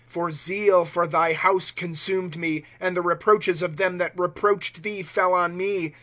° For zeal for thy house consumed me, And the reproaches of them that reproached thee fell on me.